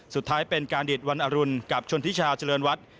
สุดท้ายเป็นการดีดวันอรุณกับชนทิชาเจริญวัฒน์